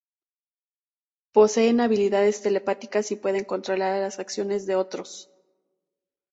Poseen habilidades telepáticas, y pueden controlar las acciones de otros.